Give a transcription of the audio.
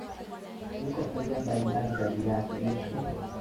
ziko faida mbali mbali za viazi lishe